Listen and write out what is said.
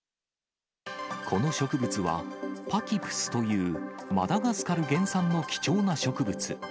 この植物は、パキプスというマダガスカル原産の貴重な植物。